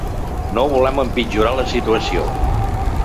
No volem empitjorar la situació.